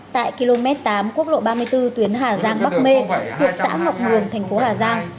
tại km tám quốc lộ ba mươi bốn tuyến hà giang bắc mê huyện xã học nguồn thành phố hà giang